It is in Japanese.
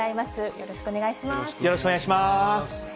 よろしくお願いします。